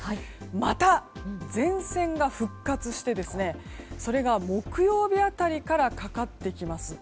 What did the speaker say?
また、前線が復活してそれが木曜日辺りからかかってきます。